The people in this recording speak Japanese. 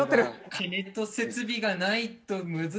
金と設備がないと難しいなこれ。